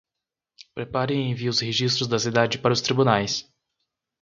Prepare e envie os registros da cidade para os tribunais.